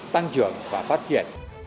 tăng trưởng và phát triển